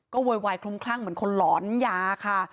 โวยวายคลุมคลั่งเหมือนคนหลอนยาค่ะ